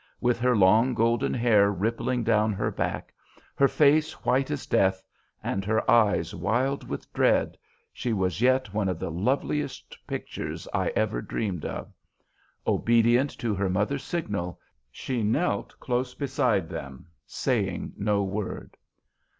With her long, golden hair rippling down her back, her face white as death, and her eyes wild with dread, she was yet one of the loveliest pictures I ever dreamed of. Obedient to her mother's signal, she knelt close beside them, saying no word.